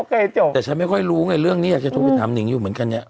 เคยจบแต่ฉันไม่ค่อยรู้ไงเรื่องนี้อยากจะโทรไปถามนิงอยู่เหมือนกันเนี้ย